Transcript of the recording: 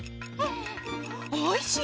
おいしい！